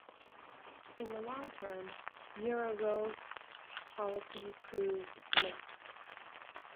In the long term, Muravyov's policy proved mixed.